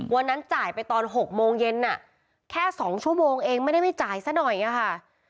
จ่ายไปตอน๖โมงเย็นแค่๒ชั่วโมงเองไม่ได้ไม่จ่ายซะหน่อยอะค่ะ